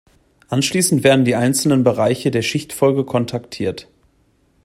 Anschließend werden die einzelnen Bereiche der Schichtfolge kontaktiert.